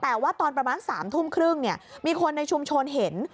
แต่ว่าตอนประมาณ๓ทุ่มครึ่งมีคนในชุมชนเห็น